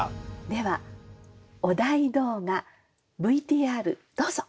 ではお題動画ＶＴＲどうぞ。